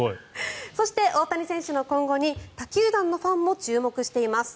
そして、大谷選手の今後に他球団のファンも注目しています。